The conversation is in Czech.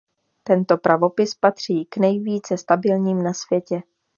Tento pravopis patří k nejvíce stabilním na světě.